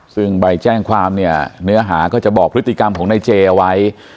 ซึ่งใบแจ้งความเนี่ยเนื้อหาก็จะบอกพฤติกรรมของนายเจเอาไว้